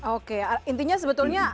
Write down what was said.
oke intinya sebetulnya